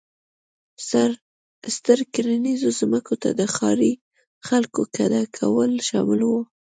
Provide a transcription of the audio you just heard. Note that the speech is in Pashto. ستر کرنیزو ځمکو ته د ښاري خلکو کډه کول شامل و.